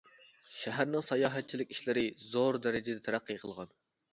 شەھەرنىڭ ساياھەتچىلىك ئىشلىرى زور دەرىجىدە تەرەققىي قىلغان.